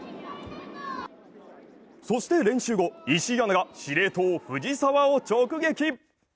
そして練習後、石井アナが司令塔・藤澤を直撃。